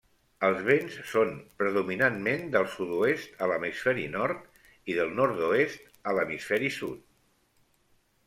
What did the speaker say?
Els vents són predominantment del sud-oest a l'hemisferi nord i del nord-oest a l'hemisferi sud.